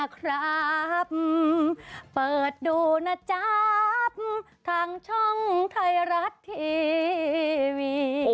ได้นะครับเปิดดูนะจ้าบทางช่องไทยรัททีวี